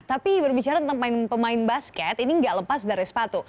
tapi berbicara tentang pemain basket ini nggak lepas dari sepatu